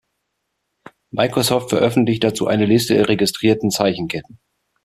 Microsoft veröffentlicht dazu eine Liste der registrierten Zeichenketten.